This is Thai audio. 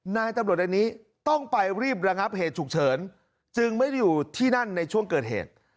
นายตำรวจอันนี้ต้องไปรีบระงับเหตุฉุกเฉินจึงไม่ได้อยู่ที่นั่นในช่วงเกิดเหตุ